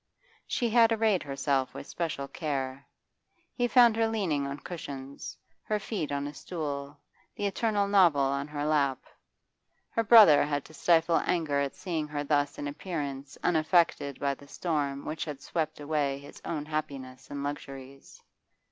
She had arrayed herself with special care; he found her leaning on cushions, her feet on a stool, the eternal novel on her lap. Her brother had to stifle anger at seeing her thus in appearance unaffected by the storm which had swept away his own happiness and luxuries.